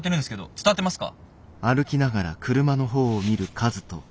伝わってますか？